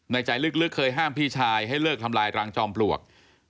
ใจลึกเคยห้ามพี่ชายให้เลิกทำลายรังจอมปลวก